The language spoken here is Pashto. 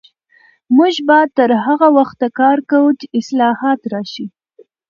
موږ به تر هغه وخته کار کوو چې اصلاحات راشي.